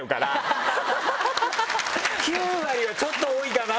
９割はちょっと多いかな？